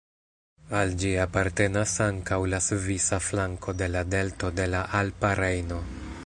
Al ĝi apartenas ankaŭ la svisa flanko de la delto de la Alpa Rejno.